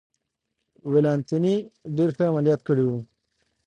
ولانتیني ډېر ښه عملیات کړي و.